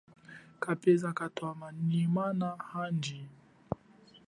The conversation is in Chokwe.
Kapeza katwama nyi mana andji.